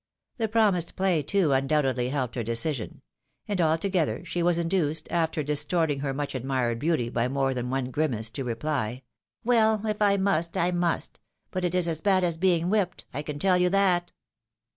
The promised play, too, undoubtedly helped her decision ; and altogether she was induced, after distorting her much admired beauty by more than one grimace, to reply, " Well, if I must, I must ; but it is as bad as being whipped, I can teU you that."